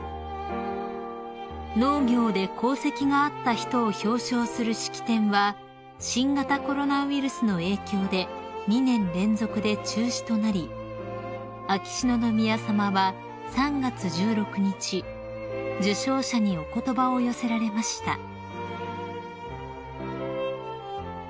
［農業で功績があった人を表彰する式典は新型コロナウイルスの影響で２年連続で中止となり秋篠宮さまは３月１６日受章者にお言葉を寄せられました］